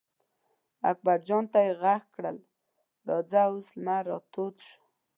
اکبر جان ته یې غږ کړل: راځه اوس لمر را تود شو.